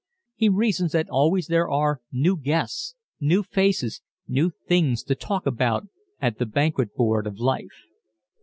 He reasons that always there are new guests, new faces, new things to talk about at the banquet board of life.